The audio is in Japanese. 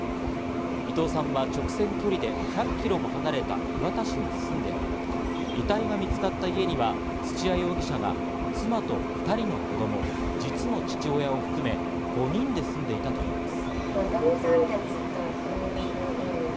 伊藤さんは直線距離で１００キロも離れた磐田市に住んでおり、遺体が見つかった家には土屋容疑者が妻と２人の子供、実の父親を含め、５人で住んでいたといいます。